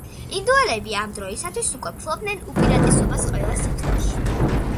ინდოელები ამ დროისათვის უკვე ფლობდნენ უპირატესობას ყველა სექტორში.